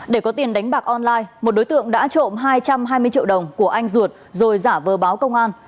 để có tiền đánh bạc online một đối tượng đã trộm hai trăm hai mươi triệu đồng của anh ruột rồi giả vờ báo công an